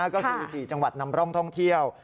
ก็คือ๔จังหวัดนำร่องท่องเที่ยว